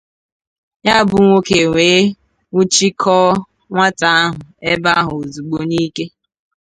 Ya bụ nwoke wee nwụchikọọ nwata ahụ ebe ahụ ozigbo n'ike